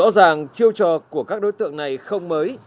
rõ ràng chiêu trò của các đối tượng này không mới